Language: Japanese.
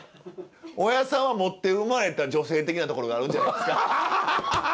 おやっさんは持って生まれた女性的なところがあるんじゃないですか。